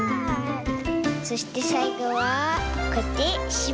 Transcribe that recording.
そしてさいごはこうやってしまう！